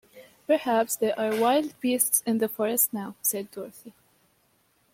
"Perhaps there are wild beasts in the forest now," said Dorothy.